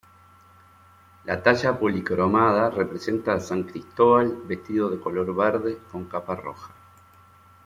La talla policromada representa a san Cristóbal vestido de color verde, con capa roja.